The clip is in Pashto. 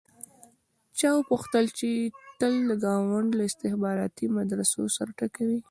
چا وپوښتل چې تل د ګاونډ له استخباراتي مدرسو سر ټکوې.